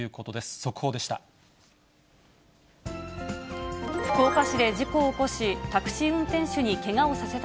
速報でした。